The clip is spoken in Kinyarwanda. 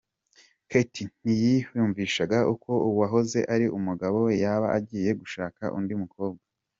Katy ntiyiyumvisha ko uwahoze ari umugabo we yaba agiye gushaka undi mukobwa.